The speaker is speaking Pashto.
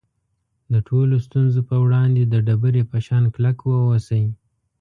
د ټولو ستونزو په وړاندې د ډبرې په شان کلک واوسئ.